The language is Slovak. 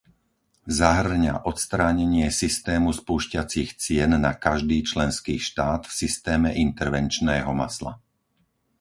Zahŕňa odstránenie systému spúšťacích cien na každý členský štát v systéme intervenčného masla.